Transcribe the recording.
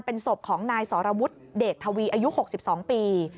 เป็นศพของนายสรวุฒิเดชทวีอายุ๖๒ปี